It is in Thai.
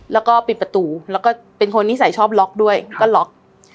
แล้วก็ปิดประตูแล้วก็เป็นคนนิสัยชอบล็อกด้วยก็ล็อก